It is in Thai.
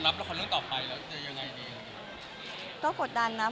แล้วเริ่มกดดันไหมพี่อำรับลักษณ์เรื่องต่อไปก็จะยังไงดี